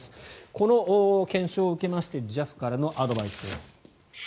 この検証を受けましてＪＡＦからのアドバイスです。